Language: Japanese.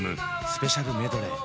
スペシャルメドレー